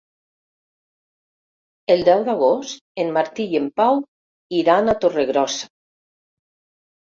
El deu d'agost en Martí i en Pau iran a Torregrossa.